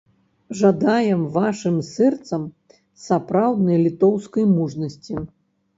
Жадаем вашым сэрцам сапраўднай літоўскай мужнасці!